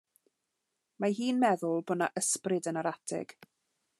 Mae hi'n meddwl bod 'na ysbryd yn yr atig.